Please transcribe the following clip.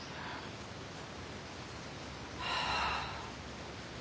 はあ。